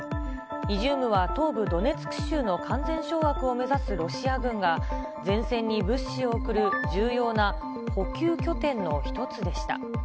イジュームは東部ドネツク州の完全掌握を目指すロシア軍が、前線に物資を送る重要な補給拠点の一つでした。